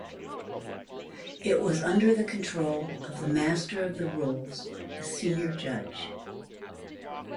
It was under the control of the Master of the Rolls, a senior judge.